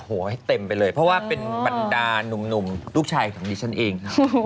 โอ้โหให้เต็มไปเลยเพราะว่าเป็นบรรดานุ่มลูกชายของดิฉันเอง